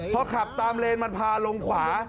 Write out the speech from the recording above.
พอขับตามเลนมันพาลงขวา